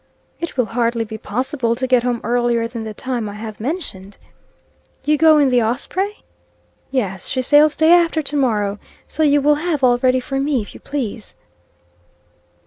"It will hardly be possible to get home earlier than the time I have mentioned." "You go in the Osprey?" "Yes. She sails day after to morrow. So you will have all ready for me, if you please."